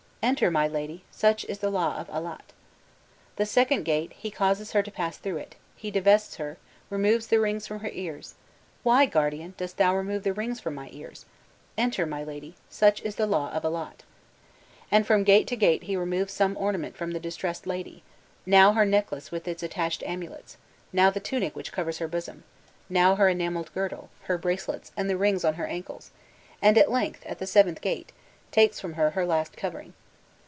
'Enter, my lady, such is the law of Allat.' The second gate, he causes her to pass through it, he divests her removes the rings from her ears: 'Why, guardian, dost thou remove the rings from my ears?' 'Enter, my lady, such is the law of Allat.'" And from gate to gate he removes some ornament from the distressed lady now her necklace with its attached amulets, now the tunic which covers her bosom, now her enamelled girdle, her bracelets, and the rings on her ankles: and at length, at the seventh gate, takes from her her last covering.